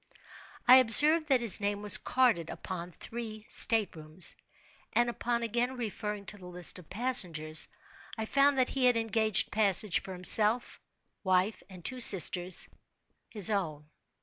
I observed that his name was carded upon three state rooms; and, upon again referring to the list of passengers, I found that he had engaged passage for himself, wife, and two sisters—his own.